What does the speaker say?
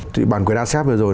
thì bản quyền asean vừa rồi